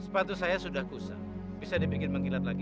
sepatu saya sudah kusa bisa dibikin menggilat lagi